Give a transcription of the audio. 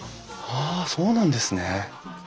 ああそうなんですね。